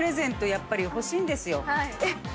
やっぱり欲しいんですよ。